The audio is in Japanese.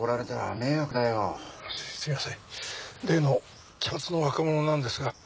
例の茶髪の若者なんですが。